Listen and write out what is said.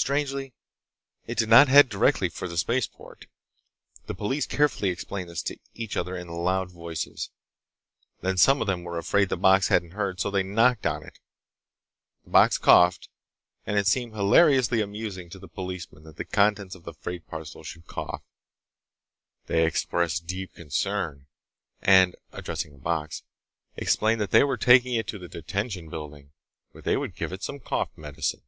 Strangely, it did not head directly for the spaceport. The police carefully explained this to each other in loud voices. Then some of them were afraid the box hadn't heard, so they knocked on it. The box coughed, and it seemed hilariously amusing to the policemen that the contents of a freight parcel should cough. They expressed deep concern and—addressing the box—explained that they were taking it to the Detention Building, where they would give it some cough medicine.